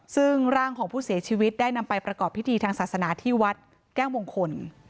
ซึ่งร่างของผู้เสียชีวิตได้นำไปประกอบพิธีทางศาสนาที่วัดแก้วมงคล